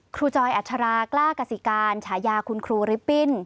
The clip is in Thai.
ครูจอยอัจฉรากล้ากสิการฉายาคุณครูลิบบิ้น